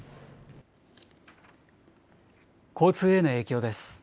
交通への影響です。